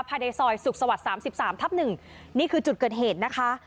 ภายในซอยสุขสวรรค์๓๓ทับ๑นี่คือจุดเกิดเหตุนะคะ